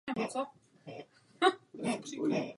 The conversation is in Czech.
K tomu musíme přidat aritmetické faktory, které jsme dostali.